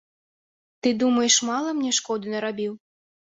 Ты, думаеш, мала мне шкоды нарабіў?